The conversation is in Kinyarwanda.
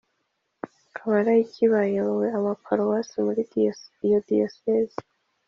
Abalayiki bayobora amaparuwasi muri iyo Diyosezi